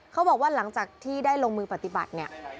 เขาบอกว่าหลังจากที่ได้ลงมือปฏิบัติ